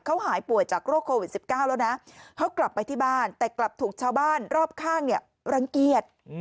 เขาหายป่วยจากโรคโควิด๑๙แล้วนะเขากลับไปที่บ้านแต่กลับถูกชาวบ้านรอบข้างเนี่ยรังเกียจ